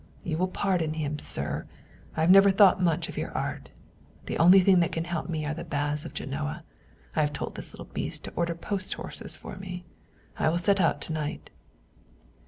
You will pardon him, sir. I have never thought much of your art. The only thing that can help me are the baths of Genoa. I have told this little beast to order post horses for me. I will set out to night."